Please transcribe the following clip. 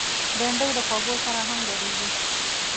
بېنډۍ د خوږو سره هم ګډیږي